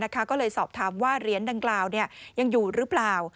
ก็เลยสอบถามว่าเหรียญดังกล่าวยังอยู่หรือเปล่า